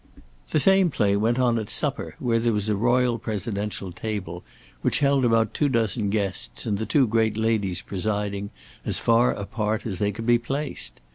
The same play went on at supper, where there was a royal presidential table, which held about two dozen guests, and the two great ladies presiding, as far apart as they could be placed.